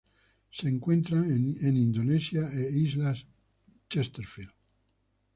Se encuentran en Indonesia e islas Chesterfield.